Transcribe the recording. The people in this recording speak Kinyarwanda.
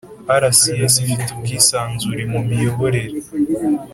Rcs ifite ubwisanzure mu miyoborere